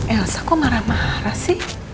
elsa kok marah marah sih